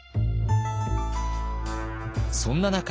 そんな中